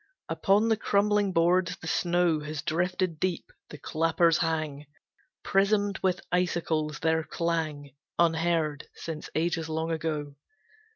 Upon the crumbling boards the snow Has drifted deep, the clappers hang Prismed with icicles, their clang Unheard since ages long ago.